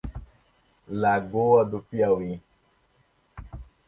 Lagoa do Piauí